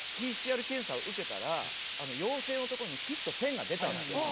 ＰＣＲ検査を受けたら陽性のところにピッと線が出たんですよ。